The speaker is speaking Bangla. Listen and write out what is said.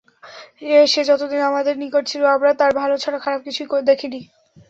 সে যতদিন আমাদের নিকট ছিল আমরা তার ভাল ছাড়া খারাপ কিছুই দেখিনি।